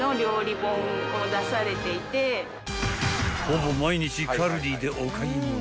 ［ほぼ毎日カルディでお買い物］